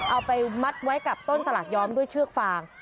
เอาไปมัดไว้กับต้นสลากย้อมด้วยเชือกฟาง